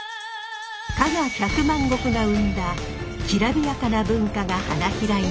加賀百万石が生んだきらびやかな文化が花開いた土地です。